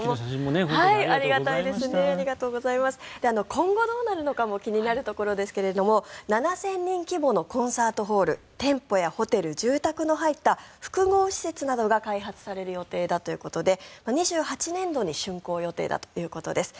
今後どうなるのかも気になるところですが７０００人規模のコンサートホール店舗やホテル、住宅が入った複合施設などが開発される予定だということで２８年度にしゅん工予定だということです。